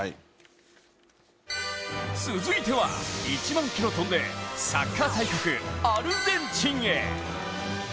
続いては、１万キロ飛んでサッカー大国・アルゼンチンへ。